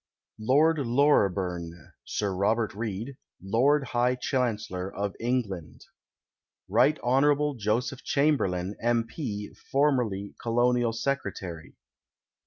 Lord Loreburn (Sii' Robert Reid), Lord High Chancellor of England. PREFACE Rt. Hon. Joseph Chamberlain, M. P., formerly; Colonial Secretary.